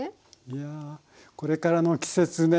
いやこれからの季節ね